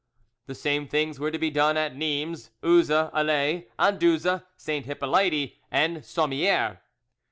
The same things were to be done at Nimes, Uzes, Alais, Anduze, Saint Hippolyte, and Sommieres.